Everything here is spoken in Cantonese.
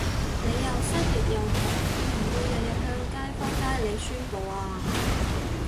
你又失業又窮會唔會日日向街坊街里宣佈吖？